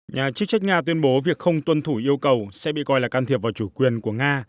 nhà chức trách nga tuyên bố việc không tuân thủ yêu cầu sẽ bị coi là can thiệp vào chủ quyền của nga